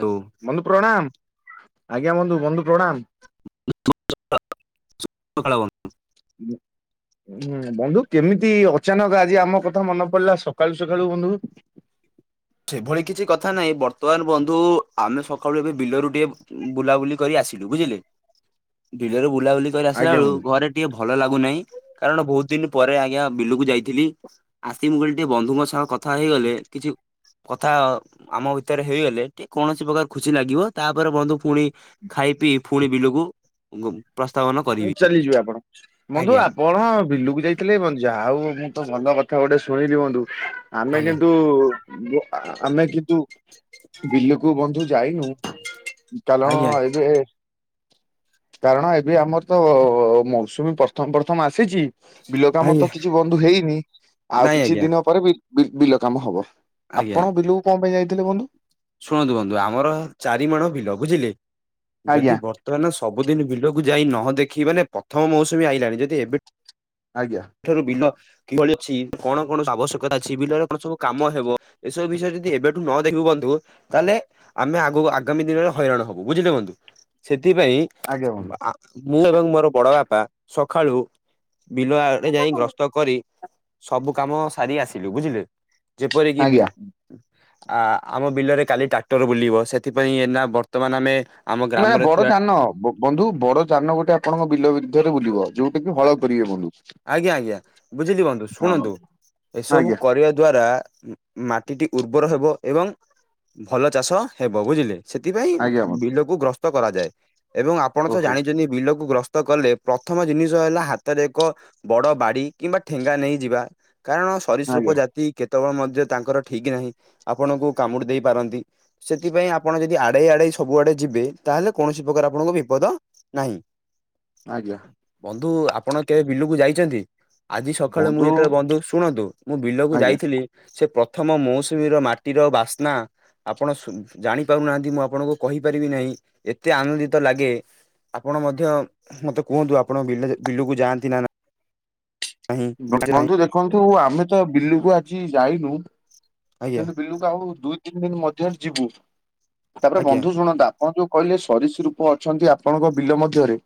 ହଉ ବନ୍ଧୁ ପ୍ରଣାମ। ଆଜ୍ଞା ବନ୍ଧୁ, ବନ୍ଧୁ ପ୍ରଣାମ । [unintelligible] [inaudible] ହଁ ବନ୍ଧୁ କେମିତି ଅଚାନକ ଆଜି ଆମ କଥା ମନେ ପଡିଲା ସକାଳୁ ସକାଳୁ ବନ୍ଧୁ? [inaudible] ବ ବନ୍ଧୁ ଆମେ ସକାଳୁ ଏବେ ବିଲରୁ ଟିକେ ବୁଲାବୁଲି କରି ଆସିଲୁ, ବୁଝିଲେ ବିଲରୁ ବୁଲାବୁଲି କରି ଆସିଲା ଆଜ୍ଞା ବେଳୁ, ବନ୍ଧୁ ଘରେ ଟିକେ ଭଲ ଲାଗୁନାହିଁ, କାରଣ ବହୁତ ଦିନ ପରେ ଆଜ୍ଞା ବିଲୁକୁ ଯାଇଥିଲି, ଆସି ମୁଁ କହିଲି ଟିକେ ବନ୍ଧୁଙ୍କ ସହ କଥା ହେଇଗଲେ, କିଛି କଥା ଆମ ଭିତରେ ହେଇଗଲେ, କୌଣସି ପ୍ରକାର ଖୁସି ଲାଗିବ, ତାପରେ ବନ୍ଧୁ ପୁଣି ଖାଇ ପିଇ ପୁଣି ବିଲକୁ ପ୍ରସ୍ତାବନ କରିବି ଚାଲିଯିବେ ଆପଣ, ବନ୍ଧୁ ଆଜ୍ଞା ଆପଣ ବିଲୁକୁ ଯାଇଥିଲେ ଯାହା ଆଉ ମୁଁ ତ ଭଲ କଥା ଗୋଟେ ଶୁଣିଲି ବନ୍ଧୁ । ଆମେ ଆଜ୍ଞା କିନ୍ତୁ, ଆମେ କିନ୍ତୁ ବିଲକୁ ବନ୍ଧୁ ଯାଇନୁ, କାରଣ ଆଜ୍ଞା ଏବେ କାରଣ- ଏବେ ଆମର ତ ମୌସୁମୀ ପ୍ରଥମ ପ୍ରଥମ ଆସିଛି । ବିଲ କାମ ଆଜ୍ଞା ତ କିଛି ବନ୍ଧୁ ହେଇନି, ଆଉ ନାଇଁ କିଛି ଆଜ୍ଞା ଦିନ ପରେ ବି ବିଲ କାମ ହବ। ଆଜ୍ଞା ଆପଣ ବିଲୁକୁ କଣ ପାଇଁ ଯାଇଥିଲେ ବନ୍ଧୁ? ଶୁଣନ୍ତୁ ବନ୍ଧୁ ଆମର ଚାରି ମାଣ ବିଲ ବୁଝିଲେ। ଆଜ୍ଞା ଯଦି ବର୍ତ୍ତମାନ ସବୁଦିନ ବିଲକୁ ଯାଇ ନହ ଦେଖି ମାନେ ପ୍ରଥମ ମୌସୁମୀ ଆଇଲାଣି ଯଦି ଏବେ ଆଜ୍ଞା ସେଠାରୁ ବିଲ କିଭଳି ଅଛି କଣ କଣ ଆବଶ୍ୟକତା ଅଛି ବିଲରେ କଣ ସବୁ କାମ ହବ ଏ ସବୁ ବିଷୟରେ ଯଦି ଏବେଠୁ ନ ଦେଖିବୁ ବନ୍ଧୁ ତାହେଲେ ଆମେ ଆଗକୁ ଆଗାମୀ ଦିନରେ ହଇରାଣ ହବୁ ବୁଝିଲେ ବନ୍ଧୁ ସେ ସେଥିପାଇଁ ଆଜ୍ଞା ବନ୍ଧୁ ଆ ମୁଁ ଏବଂ ମୋର ବଡ ବାପା ସଖାଳୁ ବିଲ ଆଡେ ଯାଇ ଗ୍ରସ୍ତ କରି ସବୁ କାମ ସାରି ଆସିଲୁ ବୁଝିଲେ। ଯେପରିକି ବି ଆଜ୍ଞା। ଆ-ଆମ ବିଲରେ କାଲି ଟ୍ରାକ୍ଟର ବୁଲିବ ସେଥିପାଇଁ ଏନା ବର୍ତ୍ତମାନ ଆମେ ଆମ ନା ଗ୍ରାମରେ ବଡ ଥିବା ଯାନ ବ-ବନ୍ଧୁ ବଡଯାନ ଗୋଟେ ଆପଣଙ୍କ ବିଲ ବିଦ୍ଧରେ ବୁଲିବ ଯୋଉ ଆ ହଳ କରିବେ ବନ୍ଧୁ। ଆଜ୍ଞା ଆଜ୍ଞା ବୁଝିଲି ବନ୍ଧୁ ହଁ। ଶୁଣନ୍ତୁ ବନ୍ଧୁ। ଏସବୁ ଆଜ୍ଞା କରିବା ଦ୍ଵାରା ମାଟିଟି ଉର୍ବର ହେବ ଏବଂ ଭଲ ଚାଷ ହେବ ବୁଝିଲେ। ସେଥିପାଇଁ ଆଜ୍ଞା ବନ୍ଧୁ ବିଲକୁ ଗ୍ରସ୍ତ କରାଯାଏ ଏବଂ ଆପଣ ତ ଓହୋ ଜାଣିଛନ୍ତି ବିଲକୁ ଗ୍ରସ୍ ତ କଲେ ପ୍ରଥମ ଜିନିଷ ହେଲା ହାତରେ ଏକ ବଡ ବାଡି କିମ୍ବା ଠେଙ୍ଗା ନେଇଯିବା। କାରଣ ସରୀସୃପ ଆଜ୍ଞା ଜାତି କେତେବେଳେ ମଧ୍ୟ ତାଙ୍କର ଠିକ୍ ନାହିଁ ଆପଣଙ୍କୁ କାମୁଡି ଦେଇ ପାରନ୍ତି। ସେଥିପାଇଁ ଆପଣ ଯଦି ଆ ଡେଇ ଆଡେଇ ସବୁ ଆଡେ ଯିବେ ତାହେଲେ କୌଣସି ପ୍ରକାର ଆପଣଙ୍କୁ ବିପଦ ନାହିଁ। ଆଜ୍ଞା। ବନ୍ଧୁ ଆପଣ କେବେ ବିଲୁକୁ ଯାଇଚନ୍ତି? ଆଜି ସକାଳେ ମୁଁ ବନ୍ଧୁ ଯେତେବେଳେ ବନ୍ଧୁ ଶୁଣନ୍ତୁ ମୁଁ ବିଲକୁ ଆଜ୍ଞା। ଯାଇଥିଲି ସେ ପ ପ୍ରଥମ ମୌସୁମୀର ମାଟିର ବାସ୍ନା ଆପଣ ଶୁ ଜାଣି ପାରୁନାହାଁନ୍ତି ମୁଁ ଆପଣଙ୍କୁ କହିପାରିବି ନାହିଁ। ଏତେ ଆନନ୍ଦିତ ଲାଗେ ଆପଣ ମଧ୍ୟ ମତେ କୁହନ୍ତୁ। ଆ ଆପଣ ବିଲଯେ ବିଲକୁ ଯାଆନ୍ତି ନା। ନାହିଁ? ବିଲ ନାହିଁ ବ-ବନ୍ଧୁ ଦେଖନ୍ତୁ ଆମେ ତ ବିଲୁକୁ ଆଜି ଯାଇନୁ। ଆଜ୍ଞା କିନ୍ତୁ ବିଲୁକୁ ଆଉ ଦୁଇ ତିନି ଦିନ ମଧ୍ୟରେ ଯିବୁ ତାପରେ ଆଜ୍ଞା ବନ୍ଧୁ ଶୁଣନ୍ତା। ଆପଣ ଯୋଉ କହିଲେ ସରୀସୃପ ଅଛନ୍ତି ଆପଣଙ୍କ ବିଲ ମଧ୍ୟରେ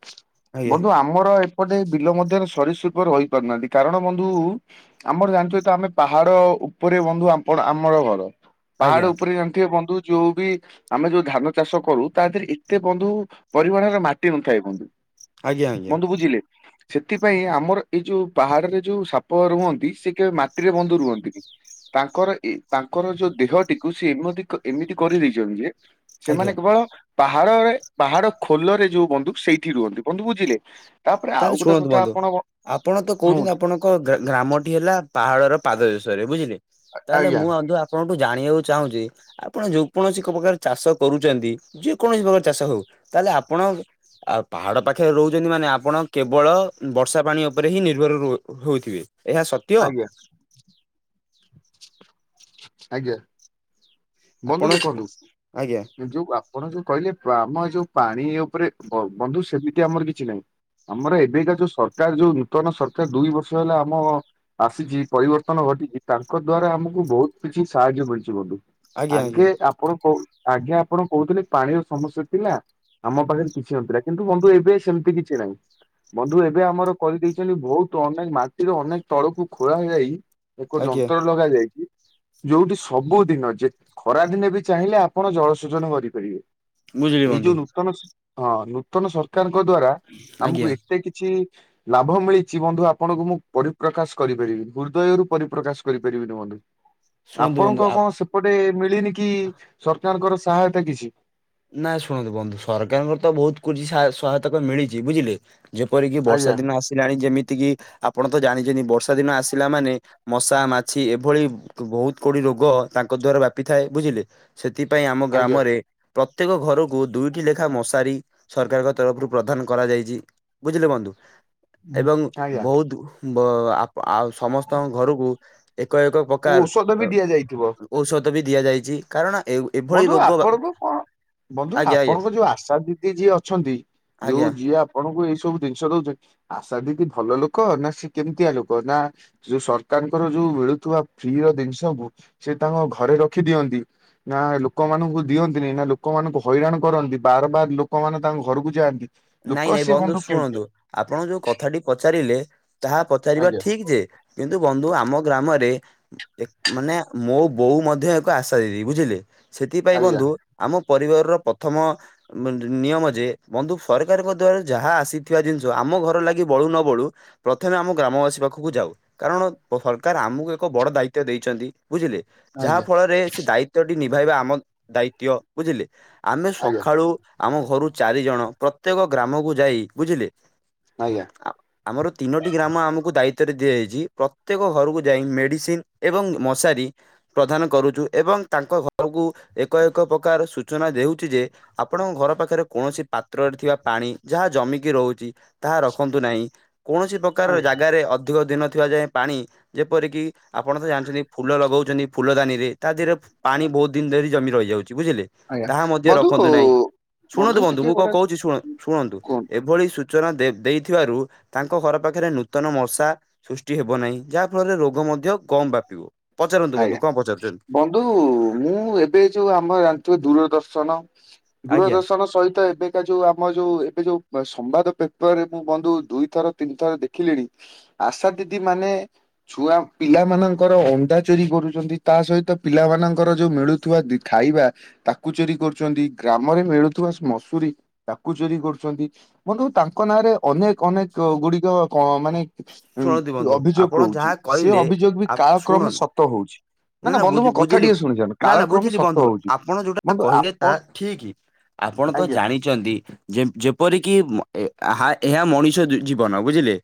ଆଜ୍ଞା ବନ୍ଧୁ ଆମର ଏ ପଟେ ବିଲ ମଧ୍ୟ ସରୀସୃପ ରହିପାରୁନାହାନ୍ତି କାରଣ ବନ୍ଧୁ ଆମର ଜାଣିଥିବେ ତ ଆମେ ପାହାଡ ଉପରେ ବନ୍ଧୁ ଆପଣ ଆମର ଘର ଆଜ୍ଞା ପାହାଡ ଆଜ୍ଞା ଉପରେ ଜାଣିଥିବେ ବନ୍ଧୁ। ଯୋଉ ବି ଆମେ ଯୋଉ ଧାନ ଚାଷ କରୁ ତା ଦେହରେ ଏତେ ବନ୍ଧୁ ପରିମାଣରେ ମାଟି ନଥାଏ ବ ଆଜ୍ଞା ଆଜ୍ଞା ବନ୍ଧୁ ବୁଝିଲେ? ସେଥିପାଇଁ ଆମର ଏଇ ଯୋଉ ପାହାଡରେ ଯୋଉ ସାପ ରୁହନ୍ତି ସେ କେବେ ମାଟିରେ ବନ୍ଧ ରୁହନ୍ତିନି। ତାଙ୍କର ଏ ତାଙ୍କର ଯୋଉ ଦେହଟିକୁ ସେ ଏମତି ଏମିତି କରି ଦେଇଚନ୍ତି ଯେ ଆଜ୍ଞା। ସେମାନେ କେବଳ ପାହାଡରେ ପାହାଡ ଖୋଲରେ ଯୋଉ ବନ୍ଧୁ ସେଇଠି ରୁହନ୍ତି ବନ୍ଧୁ ବୁଝିଲେ। ତାପରେ ଆଉ ତାହେଲେ ଗୋଟେ ଶୁଣନ୍ତୁ କଥା ବନ୍ଧୁ ଆପଣ ବ- ଆପଣତ କହୁଚନ୍ତି କୁହନ୍ତୁ। ଆପଣଙ୍କ ଗା-ଗ୍ରାମଟି ହେଲା ପାହାଡ଼ର ପାଦ ଦେ [unintelligible] ବୁଝିଲେ ତାହେଲେ ଆଜ୍ଞା ମୁଁ ବନ୍ଧୁ ଆପଣ ମୁଁ ଜାଣିବାକୁ ଚାହୁଁଚି ଆପଣ ଯୋଉ କୌଣସି ପ୍ରକାର ଚାଷ କରୁଚନ୍ତି ଯେ କୌଣସି ପ୍ରକାର ଚାଷ ହଉ। ତାହେଲେ ଆପଣ ଆ ପାହାଡ ପାଖରେ ରହୁଚନ୍ତି ମାନେ ଆପଣ କେବଳ ବର୍ଷା ପାଣି ଉପରେ ହିଁ ନିର୍ଭର ହୋଉ ହୋଉଥିବେ। ଏହା ସତ୍ୟ। ଆଜ୍ଞା ଆଜ୍ଞା। ବନ୍ଧୁ ଆପଣ ଦେଖନ୍ତୁ [unintelligible] ଯୋଉ ଆପଣ ଯୋଉ କହିଲେ? ଆମ ଯୋଉ ପାଣି ଉପରେ ବ-ବନ୍ଧୁ ସେମିତି ଆମର କିଛି ନାହିଁ। ଆମର ଏବେକା ଯୋଉ ସରକାର ଯୋଉ ନୂତନ ସରକାର ଦୁଇ ବର୍ଷ ହେଲା ଆମ ଆସିଚି ପରିବର୍ତ୍ତନ। ଘଟିଚି ତାଙ୍କ ଦ୍ଵାରା ଆମକୁ ବହୁତ କିଛି ସାହାଯ୍ୟ ମିଳିଚି ବନ୍ଧୁ ଆଜ୍ଞା ଆଜ୍ଞା ଆଗେ ଆପଣ କ ଆଗେ ଆପଣ କହୁଥିଲେ ପାଣିର ସମସ୍ୟା ଥିଲା। ଆମ ପାଖରେ କିଛି ନଥିଲା କିନ୍ତୁ ବନ୍ଧୁ ଏବେ ସେମତି କିଛି ନାହିଁ। ବନ୍ଧୁ ଏବେ ଆମର କରିଦେଇଚନ୍ତି ବହୁତ ଅନେକ ମାଟିର ଅନେକ ତଳକୁ ଖୋଳା ହେଇଯାଇ ଏକ ଆଜ୍ଞା ଯନ୍ତ୍ର ଲଗା ଯାଇଛି ଯୋଉଠି ସବୁଦିନ ଯେ ଖରା ଦିନେ ବି ଚାହିଁଲେ ଆପ୍ ପଣ ଜଳସେଚନ କରିପାରିବେ ବୁଝିଲି ଏଇ ବନ୍ଧୁ ଯୋଉ ନୂତନ ହଁ ନୂତନ ସରକାର ଙ୍କ ଦ୍ଵାରା ଆମକୁ ଆଜ୍ଞା ଏତେ କିଛି ଲାଭ ମିଳିଚି ବନ୍ଧୁ ଆପଣଙ୍କୁ ମୁଁ ପରିପ୍ରକାଶ କରିପାରିବିନି ହୃଦୟରୁ ପରିପ୍ରକାଶ କରିପାରିବିନି ବନ୍ଧୁ। ଶୁଣନ୍ତୁ ବନ୍ଧୁ ଆପଣଙ୍କ ଆ କଣ ସେପଟେ ମିଳିନି କି ସରକାରଙ୍କର ସାହାୟତା କିଛି। ନାଇଁ ଶୁଣନ୍ତୁ ବନ୍ଧୁ ସରକାରଙ୍କର ତ ବହୁତ କୁଛି ସହାୟତା ତ ମିଳିଚି ବୁଝିଲେ ଯେପରିକି ବର୍ଷା ଆଜ୍ଞା ଦିନ ଆସିଲାଣି ଯେମିତି କିି ଆପଣ ତ ଜାଣିଚନ୍ତି ବର୍ଷା ଦିନ ଆସିଲା ମାନେ ମଶା ମାଛି ଏଭଳି ବହୁତ ଗୋଡି ରୋଗ ତାଙ୍କ ଦ୍ୱାରା ବ୍ୟାପି ଥାଏ ବୁଝିଲେ ସେଥିପାଇଁ ଆମ ଆଜ୍ଞା। ଗ୍ରାମରେ ପ୍ରତ୍ୟେକ ଘରକୁ ଦୁଇଟି ଲେଖା ମଶାରୀ ସରକାରଙ୍କ ତରଫରୁ ପ୍ରଦାନ କରାଯାଇଚି ବୁଝିଲେ ବନ୍ଧୁ। ଏବଂ ଆଜ୍ଞା ବହୁତ ବ ଆ ଆଉ ସମସ୍ତଙ୍କ ଘରକୁ ଏକ ଏକ ଓ ପ୍ରକାର ଔଷଧ ବି ଅ ଦିଆଯାଇଥିବ। ଔଷଧ ବି ଦିଆଯାଇଛି, କାରଣ ଏ ଏଭଳି ବନ୍ଧୁ ରୋଗ ଆପଣ କୁ କଣ ବନ୍ଧୁ ଆଜ୍ଞା ଆଜ୍ଞା ଆପଣଙ୍କ ଯୋଉ ଆଶା ଦିଦି ଯିଏ ଅଛନ୍ତି, ଯୋଉ ଆଜ୍ଞା। ଯିଏ ଆପଣ ଣଙ୍କୁ ଏଇ ସବୁ ଜିନିଷ ଦଉଛନ୍ତି, ଆଶା ଦିଦି ଭଲ ଲୋକ ନା ସେ କେମିତିଆ ଲୋକ ନା ଯୋଉ ସରକାର ତାଙ୍କର ଯୋଉ ମିଳୁଥିବା ଫ୍ରି ର ଜିନିଷକୁୁ ସେ ତାଙ୍କ ଘରେ ରଖି ଦିଅନ୍ତି। ନା ଲୋକମାନଙ୍କୁ ଦିଅନ୍ତି ନେଇଁ ନା ଲୋକମାନଙ୍କୁ ହଇରାଣ କରନ୍ତି। ବାର ବାର ଲୋକମାନେ ତାଙ୍କ ଘରକୁ ଯାଆନ୍ତି। ଲୋକ ନାଇଁ ନାଇଁ ସିଏ ବନ୍ଧୁ କେମିତିଆ ଶୁଣନ୍ତୁ, ଆପଣ ଯୋଉ କଥାଟି ପଚାରିଲେ। ତାହା ପଚାରିବା ଆଜ୍ଞା ଠିକ ଯେ, କିନ୍ତୁ ବନ୍ଧୁ ଆ ଆମ ଗ୍ରାମରେ, ଏ ମାନେ ମୋ ବୋଉ ମଧ୍ୟ ଏକ ଆଶା ଦିଦି ବୁଝିଲେ। ସେଥିପାଇଁ ଆଜ୍ଞା ବନ୍ଧୁ, ଆମ ପରିବାରର ପ୍ରଥମ ଅ ନିୟମ ଯେ ବନ୍ଧୁ ସରକାରଙ୍କ ଦ୍ୱାରା ଯାହା ଆସିଥିବା ଜିନିଷ। ଆମ ଘର ଲାଗି ବଳୁ ନ ବଳୁ ପ୍ରଥମେ ଆମ ଗ୍ରାମବାସୀ ପାଖକୁ ଯାଉ। କାରଣ ସରକାର ଆମକୁ ଏକ ବଡ ଦାୟିତ୍ୱ ଦେଇଛନ୍ତି। ବୁଝିଲେ, ଯାହା ଆଜ୍ଞା ଫଳରେ ସେ ଦାୟିତ୍ୱଟି ନିଭାଇବା ଆମ ଦାୟିତ୍ୱ ବୁଝିଲେ। ଆମେ ଆଜ୍ଞା। ସକାଳୁ ଆମ ଘରୁ ଚାରିଜଣ ପ୍ରତ୍ୟେକ ଗ୍ରାମକୁ ଯାଇ ବୁଝିଲେ। ଆଜ୍ଞା ଆମର ତିନୋଟି ଗ୍ରାମ ଆମକୁ ଦାୟି ତ୍ୱରେ ଦିଆଯାଇଛି ।ପ୍ରତ୍ୟେକ ଘରକୁ ଯାଇ ମେଡିସିନ ଏବଂ ମଶାରୀ ପ୍ରଦାନ କରୁଛୁ। ଏବଂ ତାଙ୍କ ଘରକୁ ଏକ ଏକ ପ୍ରକାର ସୂଚନା ଦେଉଛି ଯେ, ଆପଣଙ୍କ ଘର ପାଖରେ କୌଣସି ପାତ୍ରରେ ଥିବା ପାଣି ଯାହା ଜମିକି ରହୁଛି ତାହା ରଖନ୍ତୁ ନାହିଁ। କୌଣସି ପ୍ରକାର ଜାଗାରେ ଅଧିକ ଦିନ ଥିବା ଯାଏଁ ପାଣି ଯେପରିକି ଆପଣ ତ ଜାଣିଛନ୍ତି, ଫୁଲ ଲଗଉଛନ୍ତି ଫୁଲଦାନିରେ ତା ଦେହରେ ପାଣି ବହୁତ ଦିନ ଧରି ଜମି ରହି ବୁଝିଲେ ଆଜ୍ଞା ତାହା ମଧ୍ୟ ବନ୍ଧୁ ରଖନ୍ତୁ ନାହିଁ। ଶୁଣନ୍ତୁ ବନ୍ଧୁ ଟିକେ ମୁଁ କଣ ଗୋଟେ କହୁଛି ଶୁଣ ଶୁଣନ୍ତୁ କୁହନ୍ତୁ ଏଭଳି ସୂଚନା ଦେ ଦେଇଥିବାରୁ ତାଙ୍କ ଘର ପାଖରେ ନୂତନ ମଶା ସୃଷ୍ଟି ହେବ ନାହିଁ। ଯାହାଫଳରେ ରୋଗ ମଧ୍ୟ କ କମ ବାପିବ। ଆଜ୍ଞା! ବନ୍ଧୁ ମୁଁ ଏବେ ଯୋଉ ଆମର ଜାଣିଥିବ ଦୂରଦର୍ଶନ। ଆଜ୍ଞା ଦୂରଦର୍ଶନ ସହିତ, ଏବେକା ଯୋଉ ଆମ ଯୋଉ ଏବେ ଯୋଉ ସ ମ୍ୱାଦ ପେପରରେ ମୁଁ ବନ୍ଧୁ ଦୁଇଥର ତିନି ଥର ଦେଖିଲିଣି, ଆଶା ଦିଦି ମାନେ ଛୁଆ ପିଲାମାନଙ୍କର ଅଣ୍ଡା ଚୋରି କରୁଛନ୍ତି, ତା ସହିତ ପିଲାମାନଙ୍କର ଯୋଉ ମିଳୁଥିବା ଦି ଖାଇବା ତାକୁ ଚୋରି କରୁଛନ୍ତି। ଗ୍ରାମରେ ମିଳୁଥିବା ସ ମସୁରୀ ତାକୁ ଚୋରି କରୁଛନ୍ତି। ବନ୍ଧୁ ତାଙ୍କ ନାଁରେ ଅନେକ ଅନେକ କ ଗୁଡିକ କ ମାନେ ଶୁଣନ୍ତୁ ଜ ବନ୍ଧୁ ଅଭିଯୋଗ ଆପଣ ରହୁଛି। ଯାହା ସେ କହିଲେ ଅଭିଯୋଗ ବି ଆ କାଳକ୍ରମେ ଶୁଣ ସ ନା ନା ବୁଝି ବୁଝିଲି ଶୁଣିଯାଆନ୍ତୁ ନା ନା କାଳକ୍ରମେ ବୁଝିଲି ସତ ବନ୍ଧୁ ହଉଛି ଆପଣ ଯୋଉଟା ବନ୍ଧୁ କହିଲେ ଆପଣ ତାହା ଠିକ। ଆପଣ ତ ଆଜ୍ଞା ଜାଣିଛନ୍ତି, ଯେ ଯେପରିକି ମ ଏ ହା ଏହା ମଣିଷ ଜୀବନ ବୁଝିଲେ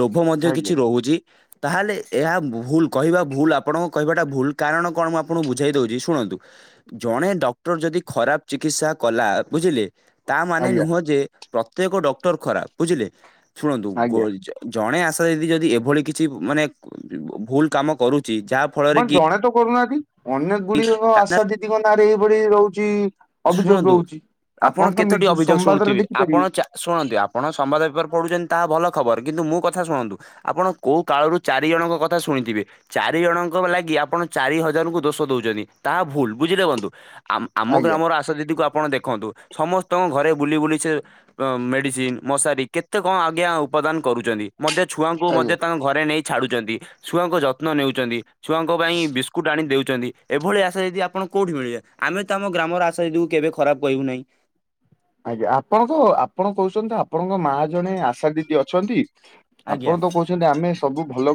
ଲୋଭ ମଧ୍ୟ ଆଜ୍ଞା କିଛି ରହୁଛି। ତାହେଲେ ଏହା ଭୁଲ କହିବା ଭୁଲ ଆପଣଙ୍କ କହିବା ଟା ଭୁଲ୍, କାରଣ କଣ ମୁଁ ଆପଣଙ୍କୁ ବୁଝେଇ ଦଉଛି ଶୁଣନ୍ତୁ। ଜଣେ ଡକ୍ଟର ଯଦି ଖରାପ ଚିକିତ୍ସା କଲ ଲା ବୁଝିଲେ, ତା ମାନେ ଆଜ୍ଞା ନୁହଁ ଯେ ପ୍ରତ୍ୱେକ ଡକ୍ଟର ଖରାପ ବୁଝିଲେ। ଶୁଣନ୍ତୁ ଗୋ ଆଜ୍ଞା ଜଣେ ଆସ ଣେ ଦିଦି ଯଦି ଏଭଳି କିଛି ମାନେ ଭୁଲ କାମ କରୁଚି ତା କଣ ଜଣେ ତ କରୁନାହାନ୍ତି ।ଅନେକ ଗୁଡ଼ିଏଙ୍କ ଆଶା ଦିଦିଙ୍କ ନାଁରେ ଏଇଭଳି ରହୁଚି ଅଭିଯୋଗ ରହୁଚି। ଆପଣ କେତୋଟି ଅଭିଯୋଗ ଶୁଣୁଥିବେ ଆପଣ ଚା ଶୁଣନ୍ତି ଆପଣ ସମ୍ବାଦ ପେପର ପଢୁ ତାହା ଭଲ ଖବର କିନ୍ତୁ ମୁଁ କଥା ଶୁଣନ୍ତୁ ଆପଣ କଉ କାଳରୁ ଚାରି ଜଣଙ୍କ କଥା ଶୁଣିଥିବେ ଚାରି ଜଣ ଙ୍କ ଲାଗି ଆପଣ ଚାରି ହଜାର ଙ୍କୁ ଦୋଷ ଦଉଚନ୍ତି ତା ଭୁଲ ବୁଝିଲେ ବନ୍ଧୁ। ଆମ ଆଜ୍ଞା ଗ୍ରାମର ଆଶାଦିଦିକୁ ଆପଣ ଖନ୍ତୁ ସମସ୍ତଙ୍କ ଘରେ ବୁଲି ବୁଲି ସେ ଅ ମେଡିସିନ ମଶାରୀ କେତେ କଣ ଆଜ୍ଞା ଉପାଦାନ କରୁଚନ୍ତି ମଧ୍ୟ ଛୁଆଙ୍କୁ ମଧ୍ୟ ଆଜ୍ଞା ତାଙ୍କ ଘରେ ନେଇ ଛାଡୁଚନ୍ତି ଛୁଆଙ୍କ ଯତ୍ନ ନେଉଚନ୍ତି। ଛୁଆଙ୍କ ପାଇଁ ବିସ୍କୁଟ ଆଣି ଦେଉଚନ୍ତି ଏଭଳି ଆଶା ଦିଦି ଆପଣଙ୍କୁ କୋଉଠି ମିଳିବେ, ଆମେ ତା ଆମ ଗ୍ରାମର ଆଶା ଦିଦିକୁ କେବେ ଖରାପ କହିବୁ ନାଇ। ଆଜ୍ଞା ଆପଣଙ୍କ ଆପଣ କହୁଚନ୍ତି ଆପଣଙ୍କ ମା ଜଣେ ଆଶା ଦିଦି ଅଛନ୍ତି। ଆପଣ ଆଜ୍ଞା ତ କହୁଚନ୍ତି ଆମେ ସବୁ ଭଲ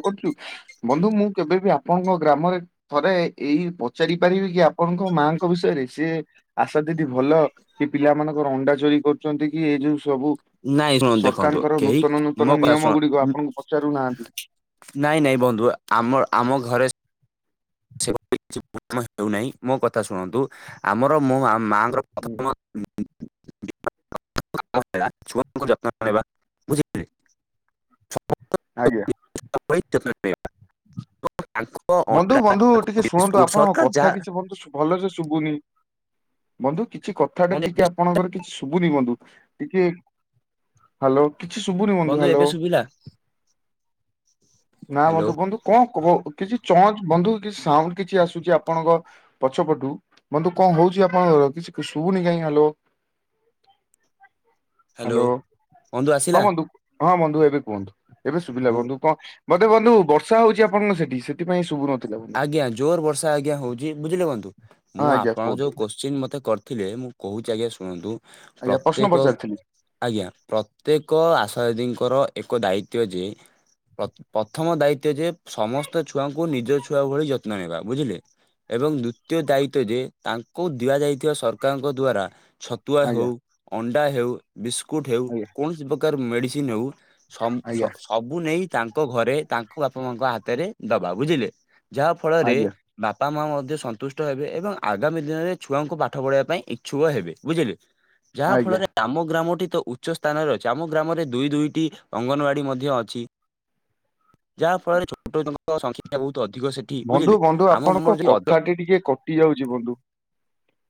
ବନ୍ଧୁ ମୁଁ କେବେବି ଆପଣଙ୍କ ଗ୍ରାମରେ ଥରେ ଏଇ ପଚାରି ପାରିବି କି? ଆପଣଙ୍କ ମାଙ୍କ ବିଷୟରେ ସିଏ ଆଶା ଦିଦି ଭଲ କି ପିଲାମାନ ପର ଅଣ୍ଡା ଚୋରି କରୁଚନ୍ତି କି ଏଇ ସବୁ ନାଇଁ ଶୁଣ ଦେଖନ୍ତୁ ସରକାରଙ୍କର କେହି ନୂତନ ମୋ ନୂତନ କଥା ନିୟମ ଶୁଣ ଗୁଡିକ ଆପଣଙ୍କୁ ପଚାରୁନାହାନ୍ତି। ନାଇଁ ନାଇଁ ବନ୍ଧୁ ଆମର ଆମ ଘରେ [unintelligible] ହେଉନାହିଁ ମୋ କଥା ଶୁଣନ୍ତୁ ଆମର ମୋ ମା ହୁଁ ପ୍ରଥମ [unintelligible] [unintelligible] ଛୁଆଙ୍କୁ ଯତ୍ନ ନେବା ବୁଝିଲେ। ଆଜ୍ଞା। [unintelligible] ତାଙ୍କ ବନ୍ଧୁ ଅଣ୍ଡା ବନ୍ଧୁ ତାଙ୍କ ଟିକେ ଶୁଣନ୍ତୁ ବିସ୍କୁଟ ଆପଣଙ୍କ ସରକାର କଥା ଯାହା କିଛି ବନ୍ଧୁ ଭଲ ଭଲସେ ଶୁଭୁନି କ କିଛି କଥାଟା ବନ୍ଧୁ ଟିକେ ଆପଣଙ୍କର କିଛି ଶୁଭୁନି ବନ୍ଧୁ ଟିକେ ହାଲୋ କିଛି ଶୁଭୁନି ବନ୍ଧୁ ହାଲୋ, ଏବେ ଶୁଭିଲା ନା ହ୍ୟାଲୋ ବନ୍ଧୁ କୁହନ୍ତୁ ଙ୍କ କହ ଚଁଚ୍ ବନ୍ଧୁ କିଛି ସାଉଣ୍ଡ କିଛି ଆସୁଛି ଆପଣଙ୍କ ପଛ ପଟୁ, ବନ୍ଧୁ କଣ ହଉଛି ଆପଣଙ୍କ କି କିଛି ଶୁଭୁନି କାଇଁ ହଲୋ। [inaudible] ହାଲୋ ହ୍ୟାଲୋ ବନ୍ଧୁ ହଁ ଆସିଲା ବନ୍ଧୁ ହଁ ବନ୍ଧୁ ଏବେ କୁହନ୍ତୁ ଏବେ ଶୁଭିଲା ମୁଁ ବନ୍ଧୁ କଣ ବନ୍ଧୁ ବନ୍ଧୁ ବର୍ଷା ହଉଚି ଆପଣଙ୍କ ସେଠି ନାଇ ସୁ ଆଜ୍ଞା ଜୋର ବର୍ଷା ଆଜ୍ଞା ହଉଚି ବୁଝିଲେ ବନ୍ଧୁ ହଁ ମୁଁ ଆଜ୍ଞା ଆପଣ କୁହନ୍ତୁ। ଯୋଉ କୋଶ୍ଚିନ୍ ମତେ ଥିଲେ ମୁଁ କହୁଚି ଆଜ୍ଞା ଶୁଣନ୍ତୁ। ଆଜ୍ଞା ପ୍ରଶ୍ନ ପ୍ରତ୍ୟେକ ପଚାରିଥିଲି ଆଜ୍ଞା ପ୍ରତ୍ୟେକ ଆଶାଦିଦି ଙ୍କର ଏକ ଦାୟିତ୍ୱ ଯେ ପ ପଥମ ଦାୟିତ୍ଵ ଯେ ସମସ୍ତ ଛୁଆଙ୍କୁ ନି ଛୁଆ ଭଳି ଯତ୍ନ ନେବା ବୁଝିଲେ। ଏବଂ ଦ୍ଵିତୀୟ ଦାୟିତ୍ବ ଯେ ତାଙ୍କୁ ଦିଆଯାଇଥିବା ସରକାରଙ୍କ ଦ୍ଵାରା ଛତୁଆ ହଉ, ଆଜ୍ଞା ଅଣ୍ଡା ହେଉ, ବିସ୍କୁଟ ହେଉ, ଆଜ୍ଞା କୌଣସି ପ୍ରକାର ମେଡ଼ିସିନ ହେଉ ସଂ ସ ଆଜ୍ଞା ସବୁ ନେଇ ତାଙ୍କ ଘରେ ତାଙ୍କ ବାପା ମାଙ୍କ ହାତରେ ଦବା ବୁଝିଲେ। ଯାହା ଫଳରେ ଆଜ୍ଞା ବାପା ମାଆ ମଧ୍ୟ ସନ୍ତୁଷ୍ଟ ହେବେ ଏବଂ ଆଗାମୀ ଦିନରେ ଛୁଆଙ୍କୁ ପାଠ ପଢେଇବା ପାଇଁ ଇଚ୍ଛୁକ ହେବେ ବୁଝିଲେ। ଯାହା ଆଜ୍ଞା ଫଳରେ ଆମ ଗ୍ରାମ ତ ଉଚ୍ଚ ସ୍ଥାନ ରାହିଚି ଆମ ଗ୍ରାମରେ ଦୁଇ ଦୁଇଟି ଅଙ୍ଗନୱାଡ଼ି ମଧ୍ୟ ଅଛି। ଯାହା ଫଳରେ ଛୋଟତଙ୍କ ସଂଖ୍ୟା ବହୁତ୍ ବନ୍ଧୁ ବନ୍ଧୁ ଆପଣଙ୍କ କଥାଟି ଟିକେ କଟି ଯାଉଛି ବନ୍ଧୁ।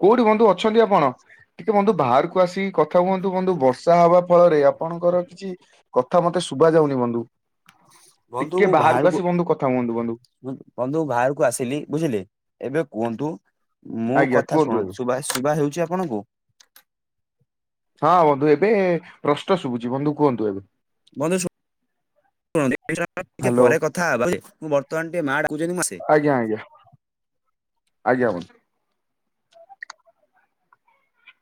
କୋଉଠି ବନ୍ଧୁ ଅଛନ୍ତି ଆପଣ? ଟିକେ ବନ୍ଧୁ ବାହାରକୁ ଆସି କଥା କୁହନ୍ତୁ ବନ୍ଧୁ ବର୍ଷା ହବା ଫଳରେ ଆପଣଙ୍କର କିଛି କଥା ମତେ ଶୁଭା ଯାଉନି ବନ୍ଧୁ ବନ୍ଧୁ ଟିକେ ମୁଁ ବାହାରକୁ ଆସି ବନ୍ଧୁ କଥା ହୁଅନ୍ତୁ ବନ୍ଧୁ। ବନ୍ଧୁ ବାହାରକୁ ଆସିଲି ବୁଝିଲେ ଏବେ କୁହନ୍ତୁ ମୁଁ ଆଜ୍ଞା କଥା କୁହନ୍ତୁ ଏବେ ଶୁଣନ୍ତୁ ଶୁବା ଶୁବା ଯାଉଛି ଆପଣଙ୍କୁ? ହଁ ବନ୍ଧୁ ଏବେ ପ୍ରଷ୍ଟ ଶୁଭୁଛି ବନ୍ଧୁ କୁହନ୍ତୁ ଏବେ। ବନ୍ଧୁ ଶୁ [inaudible] ଟିକେ ହ୍ୟାଲୋ ପରେ କଥା ହେବା, ମୁଁ ବର୍ତ୍ତମାନ ଟିକେ ମା ଡାକୁଛନ୍ତି ମୁଁ ଆସେ। ଆଗ [inaudible]